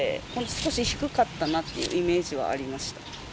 少し低かったなっていうイメージはありました。